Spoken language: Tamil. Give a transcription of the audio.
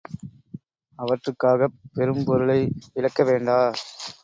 அவற்றுக்காகப் பெரும்பொருளை இழக்கவேண்டா.